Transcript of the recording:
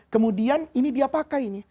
kemudian ini dia pakai